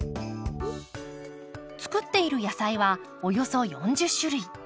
作っている野菜はおよそ４０種類。